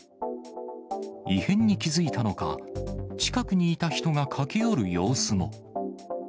異変に気付いたのか、近くにいた人が駆け寄る様子も。